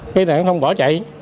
gây tai nạn giao thông bỏ chạy